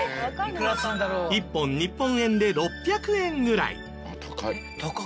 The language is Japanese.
１本日本円で６００円ぐらい。